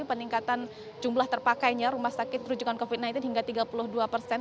peningkatan jumlah terpakainya rumah sakit rujukan covid sembilan belas hingga tiga puluh dua persen